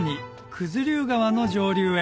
九頭竜川の上流へ